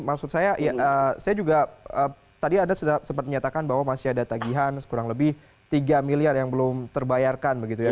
maksud saya saya juga tadi ada sempat menyatakan bahwa masih ada tagihan kurang lebih tiga miliar yang belum terbayarkan begitu ya